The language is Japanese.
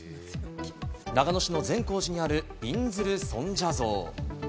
長野市の善光寺にある、びんずる尊者像。